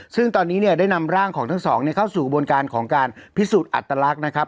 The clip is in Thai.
ซึ่งตอนนี้เนี่ยได้นำร่างของทั้งสองเข้าสู่กระบวนการของการพิสูจน์อัตลักษณ์นะครับ